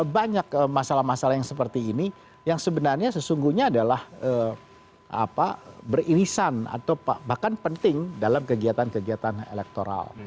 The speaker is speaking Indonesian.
banyak masalah masalah yang seperti ini yang sebenarnya sesungguhnya adalah beririsan atau bahkan penting dalam kegiatan kegiatan elektoral